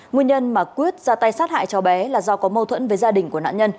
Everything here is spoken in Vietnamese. nguyên nhân mà quyết ra tay sát hại cháu bé là do có mâu thuẫn với gia đình của nạn nhân